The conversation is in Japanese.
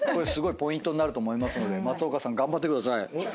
すごいポイントになると思いますので松岡さん頑張ってください。